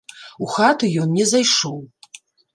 У хату ён не зайшоў.